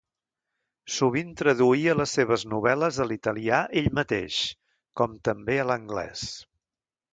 Sovint traduïa les seves novel·les a l'italià ell mateix, com també a l'anglès.